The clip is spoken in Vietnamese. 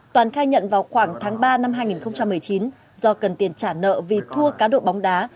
toàn khai nhận vào khoảng tháng ba năm hai nghìn một mươi chín do cần tiền trả nợ vì thua cá độ bóng đá